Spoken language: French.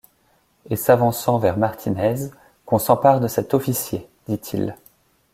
Et s’avançant vers Martinez :« Qu’on s’empare de cet officier ! dit-il